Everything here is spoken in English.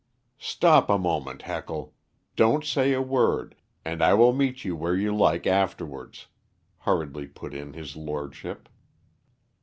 "Stop a moment, Heckle; don't say a word, and I will meet you where you like afterwards," hurriedly put in his lordship.